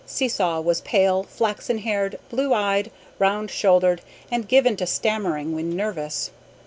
Seesaw was pale, flaxen haired, blue eyed, round shouldered, and given to stammering when nervous.